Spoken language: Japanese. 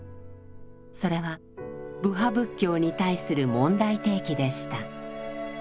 それは部派仏教に対する問題提起でした。